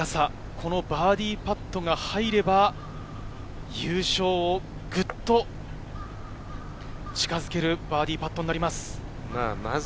このバーディーパットが入れば、優勝をグッと近づけるバーディーパットになります。